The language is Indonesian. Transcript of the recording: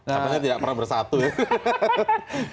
katanya tidak pernah bersatu ya